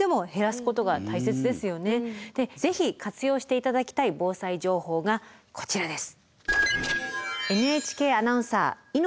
ぜひ活用して頂きたい防災情報がこちらです。